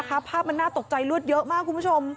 ภาพมันน่าตกใจลวดเยอะมากคุณผู้ชม